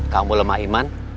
kamu lemah iman